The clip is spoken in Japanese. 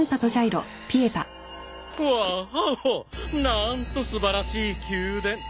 何と素晴らしい宮殿。